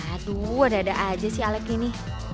aduh ada ada aja sih alek ini